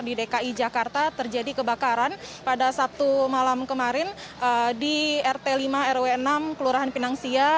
di dki jakarta terjadi kebakaran pada sabtu malam kemarin di rt lima rw enam kelurahan pinang sia